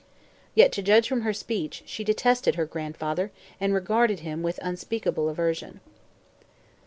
Yet, to judge from her speech, she detested her grandfather and regarded him with unspeakable aversion.